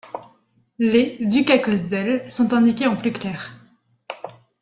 Les « ducs à cause d’elle » sont indiqués en plus clair.